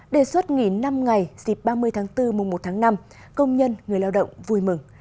đề xuất nghỉ năm ngày dịp ba mươi tháng bốn mùa một tháng năm công nhân người lao động vui mừng